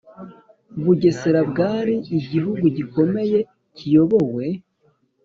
Bugesera bwari igihugu gikomeye kiyobowe